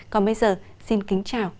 còn bây giờ xin kính chào